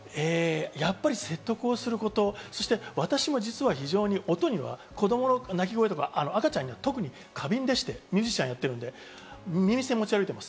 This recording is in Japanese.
やっぱり説得すること、私も実は非常に、音には子供の泣き声とか、赤ちゃんには特に過敏でして、ミュージシャンやってるんで耳栓を持ち歩いています。